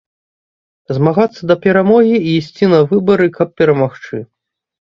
Змагацца да перамогі і ісці на выбары, каб перамагчы.